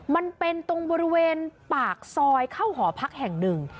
มันเป็นตรงบริเวณปากซอยเข้าหอพักแห่งหนึ่ง